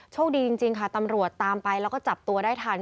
โชคดีจริงค่ะตำรวจตามไปแล้วก็จับตัวได้ทัน